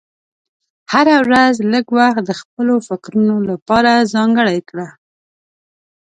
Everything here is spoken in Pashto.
هره ورځ لږ وخت د خپلو فکرونو لپاره ځانګړی کړه.